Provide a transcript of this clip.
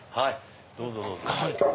どうぞどうぞ。